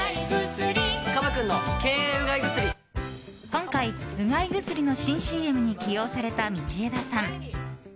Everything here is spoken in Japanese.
今回、うがい薬の新ＣＭに起用された道枝さん。